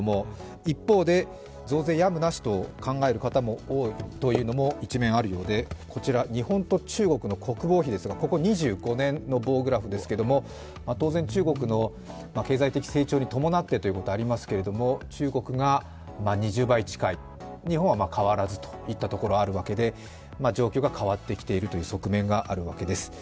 一方で、増税やむなしと考える方も多いというのも一面あるようでこちら、日本と中国の国防費ですが、ここ２５年の棒グラフですけれども当然、中国の経済的成長に伴ってということがありますけど中国が２０倍近い、日本は変わらずといったところがあるわけで状況が変わってきているという側面があるわけです。